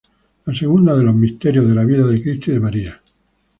La segunda, de los misterios de la vida de Cristo y de María.